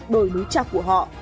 đồi núi trọc của họ